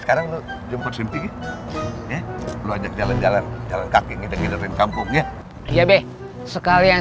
sekarang lo jemput simpi ya lo ajak jalan jalan jalan kaki kita gilirin kampungnya iya be sekalian